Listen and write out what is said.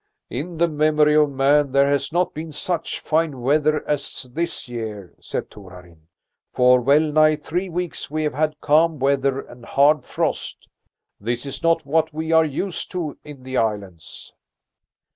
"In the memory of man there has not been such fine weather as this year," said Torarin. "For wellnigh three weeks we have had calm weather and hard frost. This is not what we are used to in the islands."